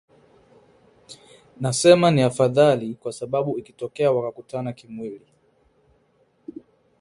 nasema ni afadhali kwa sababu ikitokea wakakutana kimwili